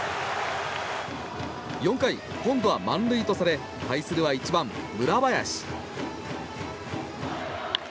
４回、今度は満塁とされ対するは１番、村林。